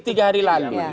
tiga hari lalu